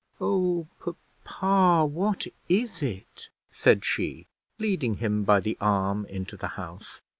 "Oh, papa, what is it?" said she, leading him by the arm into the house.